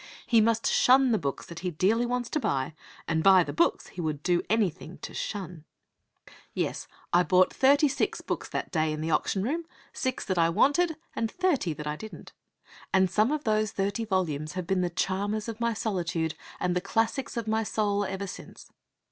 He must shun the books that he dearly wants to buy, and buy the books he would do anything to shun. VI Yes, I bought thirty six books that day in the auction room; six that I wanted and thirty that I didn't. And some of those thirty volumes have been the charmers of my solitude and the classics of my soul ever since.